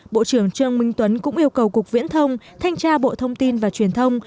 bộ trưởng trương minh tuấn cũng yêu cầu cục viễn thông thanh tra bộ thông tin và truyền thông